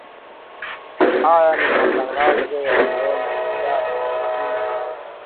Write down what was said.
aya ni matangazo ya jioni idhaa ya kiswahili rfi